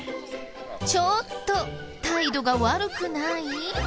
ちょっと態度が悪くない？